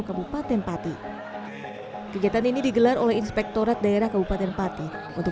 kabupaten pati kegiatan ini digelar oleh inspektorat daerah kabupaten pati untuk